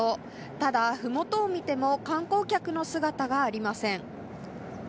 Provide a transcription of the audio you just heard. ただ、麓を見ても観光客の姿がありません。